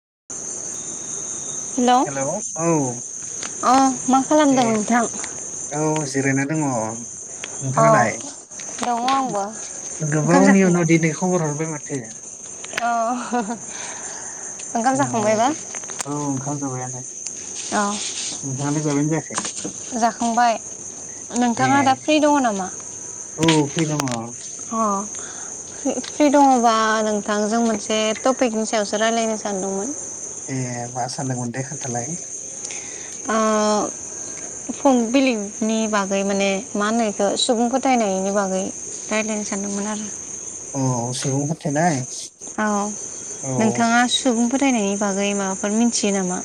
[inaudible] Hello अ मा ए खालामदों नोंथां? औ जिरायना दङ। अ नोंथाङालाय दङ आंबो ओंखाम गोबावनि उनाव जाखांबाय दिनै खबर हरबाय माथो। अ ओंखाम जाखांबायबा? खाम जाबायानो? [inaudible] औ नोंथाङालाय जाबायानो जायाखै जाखांबाय ए नोंथाङा दा फ्रि दङ नामा? औ फ्रि दङ। अ फ्रि फ्रि दङबा नोंथांजों मोनसे टपिकनि सायावसो रायज्लायनो सानदोंमोन। ए मा सों सानदोंमोन दे खोन्थालाय आ फक बिलिबनि बागै माने मा होनो इखो सुबुं फोथायनायनि बागै रायलायनो सानदोंमोन आरो। अ स सुबुं फोथायनाय? औ औ नोंथाङा सुबुं फोथायनायनि बागै माबाफोर मिथियो नामा?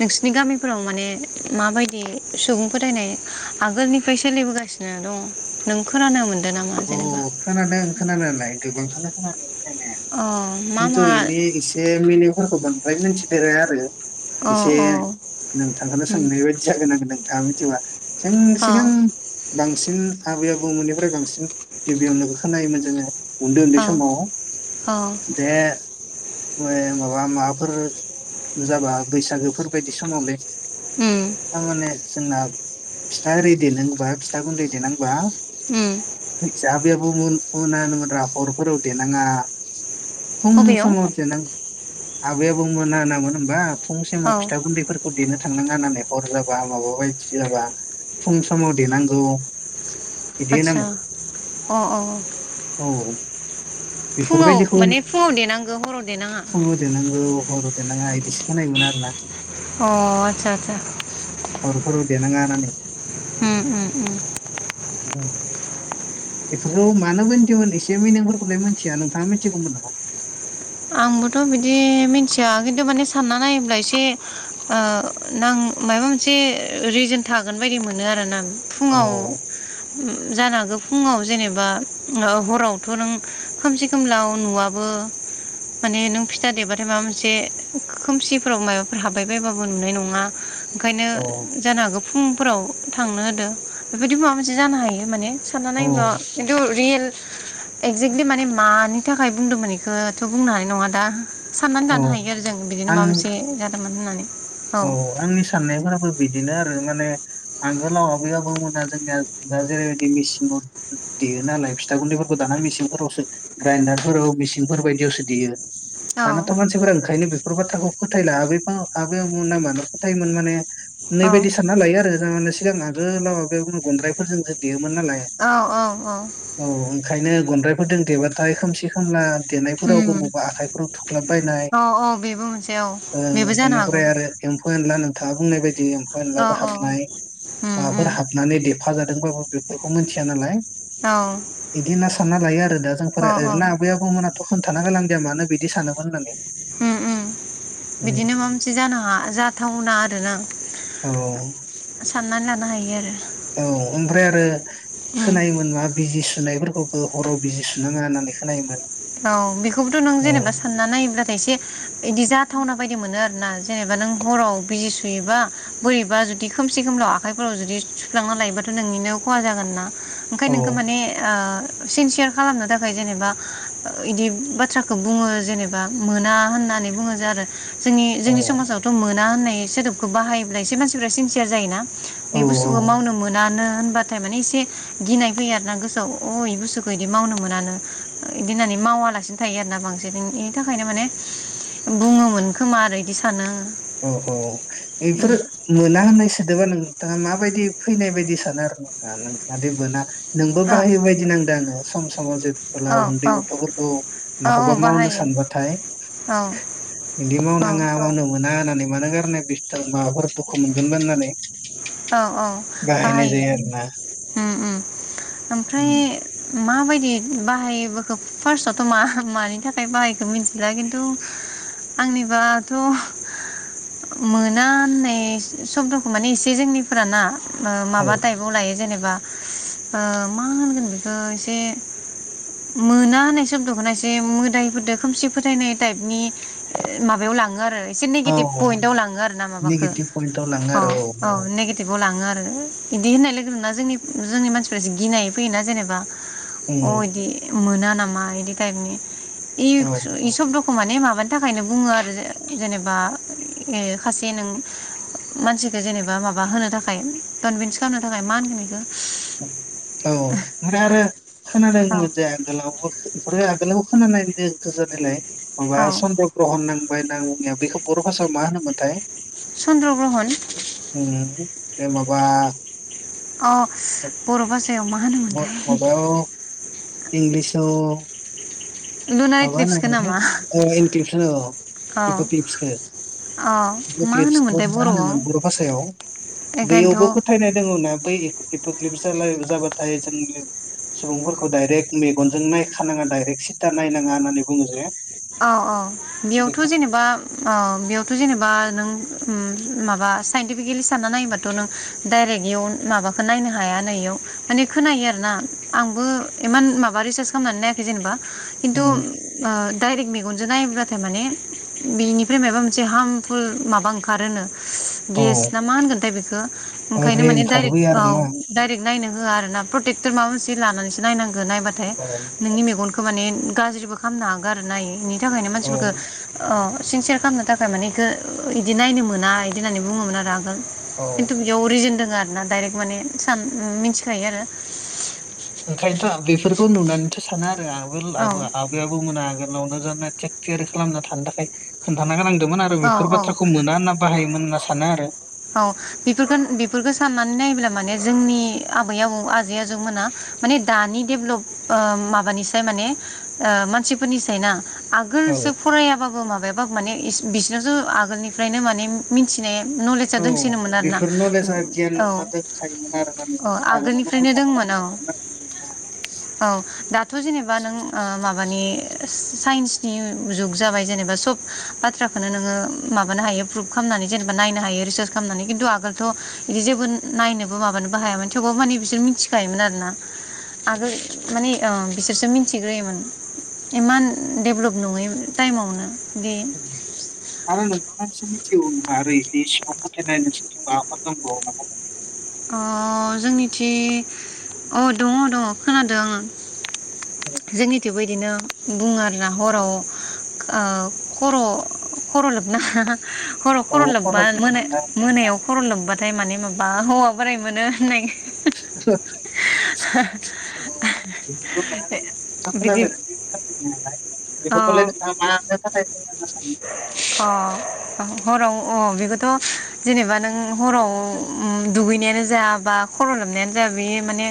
नोंसिनि गामिफोराव माने माबायदि सुबुं फोथायनाय आगोलनिफ्राय सोलिबोगासिनो दं? नों खोनानो मोन औ औ खोनादों खोनानायालाय गोबांखोनो खोनादों खोनानाया। अ मा खिनथु मा इदि एसे मि फोरखौ बांद्राय मिथिदेराया आरो। अ एसे अ नोंथांखोनो उम सोंनाय बायदि जागोन आङो नों दाबो जोबा? जों अ सिगां बांसिन आबै आबौमोननिफ्राय बांसिन गिबियावनो खोनायोमोन जोङो। उन्दै उन्दै औ समाव औ दे ओ माबा माबाफोर जाबा बैसागोफोर बायदि समावलै। उम आं माने जोंना फिथा एरि देनांगोबा फिथा गुन्दै देनांबा उम। जोहा आबैया बुङोमोन [unintelligible] हरफोराव देनाङा। फुं अबेयाव समाव देनांग आबैया बुंमोन आरोना मोन होमबा। फुं औ सेमाव फिथा गुन्दैफोरखौे देनो थाख थांनाङा नालाय हर जाबा माबा बायदि जाबा फुं समाव देनांगौ। बिदि आतसा। होनामोन अ अ [inaudible] फुङाव बेफोरबायदिखौ माने फुङाव देनांगौ हराव देनाङा [inaudible] सुङाव देनांगौ हराव देरनाङा इद बिसो नायमोन आरोना। अ आत्सा आत्सा। हरफोराव [inaudible] उम उम उम। उम इफोरखौ मानो बोनदोंमोन एसे मिनिंफोरखौलाय मोन थिया नोंथाङा मिथिगौमोन नामा? आंबोथ' बिदि मिथिया खिन्थु माने सानना नायोब्ला एसे ओ नां मायबा मोनसे रिजोन थागोन बायदि मोनो आरोना आं। औ फुङाव उम। जानो हागौ फुङाव जेनेबा ओ हरावथ' नों खोमसि खोमलाव नुवाबो। माने नों फिथा देबाथाय माबा मोनसे खोमसिफोराव माबाफोर हाबबाय बायबाबो नुनाय नङा। ओंखायनो औ जानो हागौ फुं फोराव थांनो होदो बेबायदि माबा मोनसे जानो हायो माने सानना औ नायोब्ला खिन्थु रियेल एक्जेक्टलि माने मानि थाखाय बुंदोंमोन एखो थ' बुंनो हानाय नङा दा। साननानै औ लानो हायो आरो जों बिदिनो माबा मोनसे जा मोन होननानै। औ अ आंनि साननायफोराबो बिदिनो आर आरो माने आगोलाव आबै आबौमोना जोंनिया दा जेरैबायदि मेसिनाव देयो नालाय फिथा गुन्दैफोरखौ दानानै मेसिनफोरावसो ग्रायडारफोराव मेसिनफोर बायदियावसो देयो। औ दानाथ' मानसिफोरा ओंखायनो बे फोर बाथ्राखौ [unintelligible] फोथायमोन माने नै औ बायदि सानना लायो आरो जों [unintelligible] मन नालाय औ औ औ ओंखायनो गनद्राय फोरदों देबाथाय खोमसि खोमला देनायफोराव उम बबावबा आखाइफोराव थुख्लाबबायनाय औ औ बेबो मोनसे औ बेबो जानो हा ओफ्राय आरो एम्फौ एनला थां बुंनाय बायदि बिदि औ एम्फा-एनलाबो औ हाबनाय उम माबाफोर उम हाबनानै देफाजादोंबाबो बेफोरखौ मिथिया नालाय औ बिदि होनना सानना लायो आरो दा जोंफोर औ औ ओरैनो आबै-आबौमोनाथ' होन थाना गालांदेया मानो बिदि सानोमोन होननानै उ उ उम बिदिनो मा मोनसे जानो हा जाथावना आरोना औ साननानै लानो हायो आरो औ ओमफ्राय आरो उम खोनायोमोनबा बिजि सुनायफोरखौबो हराव बिजि सुनाङा होननानै खोनायोमोन। औ बेखौबोथ' नों औ जेनेबा सानना नायोब्लाथाय एसे बिदि जाथावना बायदि मोनो आरो ना जेनेबा नों हराव बिजि सुयोबा बोरैबा जुदि खोमसि खोमलाव आखाइफोराव जुदि सुफ्लांना लायोबाथ' नोंनिनो खहा जागोन ना ओंखाय औ नोंखौ माने ओ सिनसियार खालामनो थाखाय जेनेबा बिदि बाथ्राखौ बुङो जेनेबा मोना होननानै बुङो जे आरो जोंनि औ जोंनि समाजावथ' मोना होननाय सोदोबखौ बाहायोब्ला एसे मानसिफ्रा सिनसियार जाय ना बे औ बुस्थुखौ मावनो मोनानो होनबाथाय माने इसे गिनाय फैयो आर ना गोसोआव अइ बुस्थुखौ इदि मावनो मोनानो बिदि होननानै मावालासिनो थायो आरोना बांसिन बेनि थाखायनो माने बुङोमोनखोमा आरो बिदि सानो आं अ औ बेफोरो मोना होननाय सोदोबा नों थाङा माबायदि फैनाय बायदि सानो आरो ना नोंथाङा देबा नोंबो आङो उम बाहाय बायदि नांदों आङो सम सम जों अब्ला औ उन्दै औ गथ'फोरखौ औ माखौबा औ मावनो बाहायो सानबाथाय औ बिदि औ मावनाङा मावनो मोना नानै मानो गारनाय बिस्थाल माबाफोर दुखु मोनगोनबाय होननानै औ औ बाहायनाय बाहायो जायो आरोना ओम ओम ओमफ्राय माबायदि बाहायबोखो फार्स्टआवथ' मा मानि थाखाय बाहायखो मिथिला खिन्थु आंनिबाथ' मोना होननाय सब्द'खौ माने एसे बेे जोंनिफोरा ना ओ माबा टाइपआव लायो जेनेबा ओ मा होनगोन बेखौ एसे मोना होननाय सब्द'खौना एसे मोदायफोरदो खोमसि फोथायनाय टाइपनि ओ माबायाव लाङो आरो एसे औ नेगेटिभ पइन्टाव लाङो आरो ना माबाखौ नेगेटिभ पइन्टाव लाङो आरो अ' औ नेगेटिभाव लां ओं आरो इदि होननाय लोगोना जों जोंनि मानसिफोरासो गिनाय फैयोना जेनेबा औ अ' इदि मोना नामा इदि टाइपनि। औ इख इ सबद' खौ माने माबानि थाखायनो बुङो आरो जे-जेनेबा खायसे नों मानसिखो जेनेबा बा माबा होनो थाखाय कनभिन्स खालामनो थाखाय मा होनगोन बेखौ? औ ओमफ्राय आरो औ खोनादोंमोन जे आगोलाव खरो आगोलाव खोनानाय बादि [unintelligible] माबा औ चन्द्र ग्रहन नांबाय होन्ना बुंनाया बेखौ बर' भाषायाव मा होनोमोनथाय? चनन्द्र' ग्रह'न ए माबा अ' बर' बास दायाव मा होनोमोन्थाय? माबायाव इंलिसाव [inaudible] माबा इक्लिप्सखौ होनोमोनलाय नामा औ इनकलिपस औ औ इप'कलिपसखो औ मा इपकलिपसखौ होनोमोनथाय मा बर'आव होनोमोन बर' भाषायाव बैयावबो बेखायनोथ' फोथायनाय दङ ना बै एफोर ख्लिप्सालाय जाबाथाय जोंनि सुबुंफोरखौ डाइयरेक्ट मेगनजों नायखानाङा डाइरेक्ट सिदा नायनाङा होननानै बुङो जे अ अ बेयावथ' बेखायनो जेनेबा अ बेयावथ' जेने बा नों ओम माबा साइनटिफिकेलि सानना नायोबाथ' नों डाइरेक्ट इयुन माबाखौ नायनो हाया नो इयाव माने खोनायो आरो ना आंबो इमान माबा रिसार्च खालामनानै नायाखै जेनेबा खिन्थु उम ओ डाइरेक्ट मेगनजों नायोब्लाथाय माने बेनिफ्राय माबा मोनसे हार्मफुल माबा ओंखारोनो। औ गेस ना मा होनगोनथाय बेखौ ओंखायनो ओरै माने डाइरेक्ट ओंखारबोयो औ आरोना डाइरेक्ट नायनो होआ आरो ना प्रटेक्टर माबा मोनसे लानानैसो नायनां नायबाथाय औ नोंनि मेगनखो माने गाज्रिबो खालामनो हाग गारोना थाखायनो औ मानसिफोरफोरखो ओ सिं सयार खालामनो थाखाय माने इखो इदि नायनो मोना इदि होननानै बुङोमोन आरो आं औ खिन्थु बेयाव रिजोन दं ना आरोना डाइरेक माने सान मिथिखायो आरो ओंखायनोथ' [unintelligible] बेफोरखौ नुनानैथ' सानो आगोल औ आबो आबै आबौमोना आगोलावनो जों थिक थियारि खालामना थानो थाखाय खोनथाना हो दोमोन आरो औ बेफोर औ बाथ्राखौ मोना होन्ना बाहायोमोन सानो आरो औ बेफोरखो बेफोरखो साननानै नायोब्ला माने जोंनि आबै आबौ आजौ मोना माने दानि डेभलप ओ माबानिसाय माने ओ मानसिफोरनिसाय ना औ आगोलसो फरायाबाबो मा बायाबाबो माने बिसोरनावसो आगोलनिफ्रायनो माने मिथिनाय औ दोंसिनोमोन आरोना बेफोर नलेजआ गियाना दोनखायोमोन आरो माने औ-औ आगोलावनो आगोलनिफ्रायनो खोन्थानो दोंमोन गोनां जाखायोमोन औ-औ दाथ' जेनेबा नों ओ माबानि साइन्सनि जुग जाबाय जेनेबा सब बाथ्राखौनो नोङो माबानो हायो प्रुभ खालामनानै जेनेबा नायनो हायो खालामनानै खिन्थु आगोलथ' बिदि जेबो नायनोबो माबानोबो हायामोन थेवबो माने बिसोर मिथिखायोमोन आरो ना आरो आगोल जोंनोना माने अ बिसोरसो मिथिग्रोयोमोन इमान डेभलप नङै टाइमावनो दि आनन्द मिथिगौ ना ओरै इसि सिखाव फोथायनाय नोंसोरथिं माबाफोर दंबावो नामा अ जोंनिथि अ दङ दङ खोनादों आङो जोंनिथिंबो इदिनो बुङो आरोना हराव ओ खर' खर' लोबनो हाया हराव औ खर' लोब्बा मोन गुदुंना मोनना मोनायाव खर' लोब्बा ओमफ्राय माने माबा हौवा बोराय मोनो होननाय [unintelligible] [inaudible] बिदि बेफोरखौलाय अ नोंथाङा मानो थाखाय [unintelligible] अ हराव अ बेखौथ' जेनेबा नों हराव ओ दुगैनाय। यानो जा बा खर' लोबनायानो जा बियो माने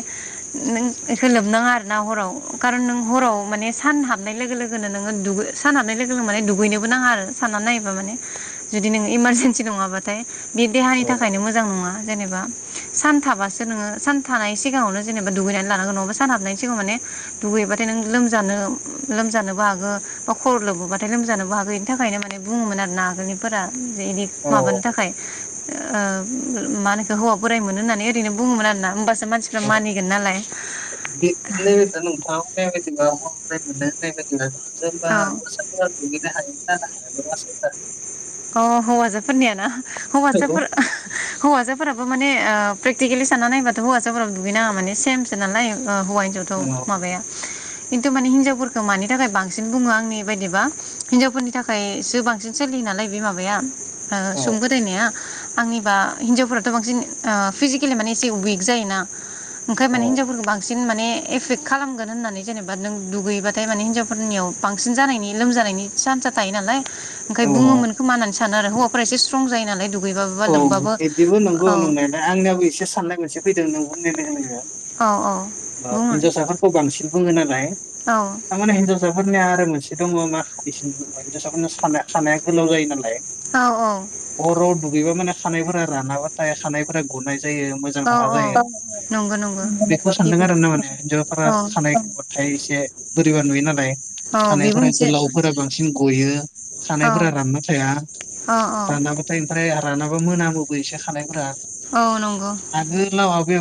नों बेखौ लोबनाङा आरोना हराव खारन नों हराव माने सान हाबनाय लोगो लोगोनो नोङो सान हाबनाय लोगो लोगो माने दुगैनोबो नाङा आरो। सानना नायोबा माने जुदि नोङो इमारजेेनसि नङाबाथाय। बे देहानि औ थाखायनो मोजां नङा। जेनेबा सानथाबासो नोङो सानथानाय सिगाङावनो जेनेबा दुगैनानै लानांगोन नङाबा सान हाबनायनि सिगाङाव माने दुगैबाथाय नोङो लोमजानोबो हागौ बा खर लोबबोबाथाय लोमजानोबो हागौ बेनि थाखायनो माने। ओमफ्राय बुङोमोन आरो नागोलनिफोरा। इदि माबानो औ थाखाय। ओ मा होनोखो हौवा बोराइ मोनो होननानै ओरैनो बुङोमोन आरोना होमबास। बेै दा नोंथां। [unintelligible] जेनबा हौवासाफोरा औ दुगैनो हायो। [unintelligible] अ हौवासाफोरनियाना औ हौवसाफोर। हौवासाफोराबो माने प्रेकटिकेलि साननानै नायबाथ' हौवासाफोराबो दुगैनाङा माने सेमसो नालाय् हौवा हिनजावथ औ माबाया। खिन्थु माने हिनजावफोरखौ मानि थाखाय बांसिन बुङो आंनि बायदिबा हिनजावफोरनि थाखायसो बांसिन सोलियो नालाय। बे माबाया। ओ औ सुंबोदायनिया। आंनिबा हिनजावफोराथ' बांसिन फिजिकेलि माने एसे उइिक जायोना। ओंखाय माने औ हिनजावफोरखौ बांसिन। बांसिन माने एफेक्ट खालामगोन होननानै जेनेबा नों दुगैयोबाथाय माने हिनजावफोरनियाव बांसिन जानायनि लोमजानायनि सान्सा थायो नालाय। ओंखाय औ बुङोमोन। आ सानो आरो हौवाफोरा एसे स्रं। जायो नालाय दुग। औ बिदिबो नंगौ नोंनायलाय आंनियावो एसे साननाय मोनसे। फैदों नों बुंनाय लोगो लोगो औ औ ओ बुङो हिनजावसाफोरखौ बांसिन बुङो नालाय। औ थारमाने हिन्जावफोरनिया। आरो मोनसे दङ मा बि दिसा खानाया गोलाव जायो नालाय। औ औ। [unintelligible] माने खानायफोरा रानाबाथाय खानायफोरा गनाय जायो मोजां औ नङा औ जायो नंगौ नंगौ बेखौ सानदों बेबो आरो ना माने हिन्जावफोरा औ खानाय गबाथाय एसे बोरैबा नुयो नालाय औ बेबो खानायफोरा मोनसे गोलावफोरा बांसिन गयो औ खानायफोरा रानना थाया औ औ रानाबाथाय रानाबा मोनामोबो एसे खानायफोरा। औ नंगौ आगोलाव आबै।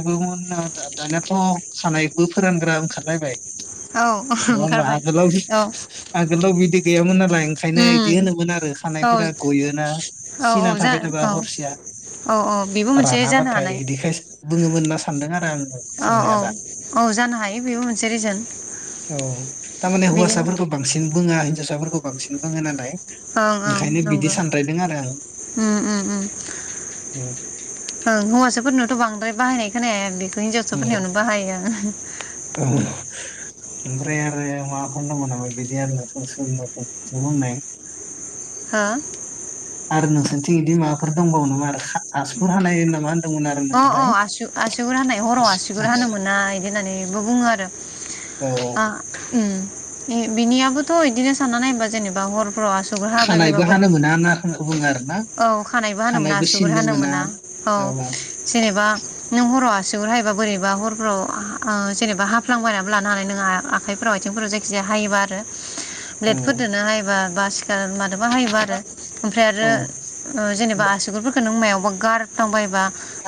दानियााथ' खानायबो फोरानग्रा ओंखारलायबाय। औ नङा होमबा ओंखारबाय आगोलाव औ आगोलाव बिदि गैयामोन नालाय ओंखायनो बिदि उम होनोमोन आरो औ खानायफोरा गयोना औ औ सिना। जा थाबाय थाबा औ हरसेया औ औ बेबो मोनसे जानो रानाबाथाय हानाय बिदिखाय बुङोमोन न [unintelligible] सानदों आरो आं। औ औ साननाया दा औ जानो हायो बेबो मोनसे रिजोन औ थारमाने बिदिनो हौवासाफोरखौ बांसिन बुङा। जोसाफोरखौ बांसिन बुङो नालाय। ओं ओं ओंखायनो बिदि नंगौ सानद्रायदों आरो आं उम, हौवासाफोरनोथ' बांद्राय। बाहायनाय खोनाया। औ हिन्जावसाफोरनियावनो बाहायो आं। औ [unintelligible] ओमफ्राय आरो माफोर नांग नामा बिदि आरो नथ सोर होननाय [unintelligible] हो आरो नोंसोरनिथिं बिदि माबाफोर दंबावो नामा आरो आसु जयरययय हानाय नामा होन अ अ आसु आसुगुर हानाय हराव आसुगुर हानो मोना इदि होननानै। ब बुङो आरो औ आ उं। बिनियाबोथ' इदिनो साननानै नायबा जेनेबा हर। खानायबो हानो मोना नाखौ बुंङो आरो ना। औ खानायबो हानो मोना आगुर हानो मोना औ जेनेबा नों हर'आव। आसुगुर हायोबा बोरैबा हरफोराव जेनबा हाफ्लांबायनाबो लानो हानाय नोंङो आखाइफोराव आथिंफोराव जायखि जाया हायोबा आरो औ ब्लेटफोर दोनो हायोबा बास। मान [unintelligible] मोनोबा हायोबा आरो ओमफ्राय आरो औ ओ जेनेबा आसुगुरफोरखौ नों मायाव। बगारत बाय [unintelligible] बा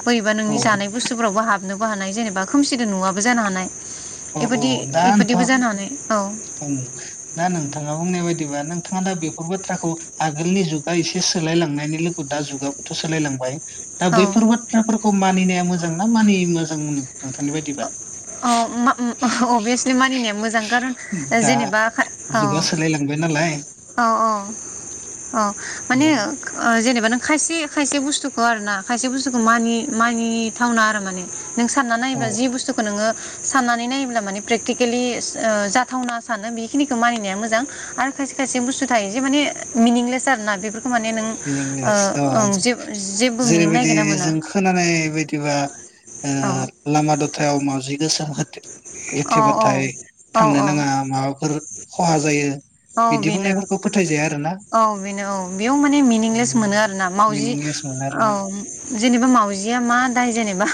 बोरैबा औ नोंनि जानाय बुुस्थुफोरावबो हाबनो। बो हानाय जेनेबा खोमसिदो नुआबो जानो हानाय। इफादि इफोरदिबो जानो हानाय औ दानो दा नोंथाङा बुंनाय बायदिबा नोंथाङा दा बेफोर बाथ्राखौ आगोलनि जुगा एसे सोलायलांनायनि लोगो दा जुगाबोथ' सोलायलांबाय। दा औ बैफोर बाथ्राफोरखौ। मानिनाया मोजां ना मानियिनि मोजां मोन नोंथांनि बायदिबा? अ म मा अभियासलि मानिनाया मोजां कारन। ओ दा जेनेबा खा अ जुगा सोलायलांबाय नालाय अ अ। अ माने औ ओ जेनेब [unintelligible] खायसे खायसे बुस्थुखौ आरो ना खायसे बुस्थुखौ मानि मानिथावना आरो माने। नों सानना नायोबा औ जि बुस्थुख ओ सानानै नायोब्ला माने फ्रेथिकेलि ओ जाथावना सानो बेखिनिखौ मानिनाया मोजां आरो खायसे खायसे बुुस्थु थायो जे माने मिनिंलेस आरो ना बेफोर मिनिंलेस औ जेबो मिनिं जेरैबायदि नागिरना मोना जों खोनानाय बायदिबा ओ औ लामा दथायाव मावाउजि गोसोम हो [inaudible] औ एथेबाथाय औ थांनो औ नाङा माबाफोर खहा जायो औ बिदि बेनो बुंनायफोरखौ फोथायजाया आरोना। औ बेनो औ बेयाव माने मिनिंलेस मोनो आरोना मावजि मिनिंलेस मोनो आरोना औ जेनेबा मावजिया मा दाय जेनेबा?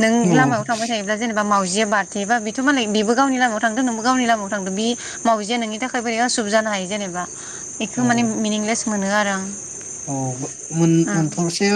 नों औ लामायाव थांबाय थायोब्ला जेनेबा मावजिया बारथे [unintelligible] थ' मालाय बेबो गावनि लामायाव थांदों नोंबो गावनि लामायाव थांदों बि मावजिया नोंनि थाखाय बोरै असुबि जानो हायो जेनेबा? बेखौ माने मिनिंलेस मोनो आरो आं। अ मोन ओं मोनथोंसै।